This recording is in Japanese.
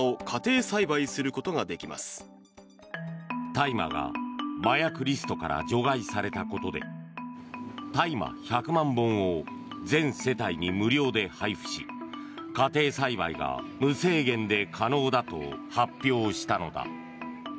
大麻が麻薬リストから除外されたことで大麻１００万本を全世帯に無料で配布し家庭栽培が無制限で可能だと発表したのだ。